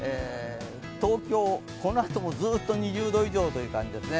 東京、このあともずっと２０度以上という感じですね。